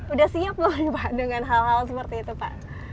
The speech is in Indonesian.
udah siap belum pak dengan hal hal seperti itu pak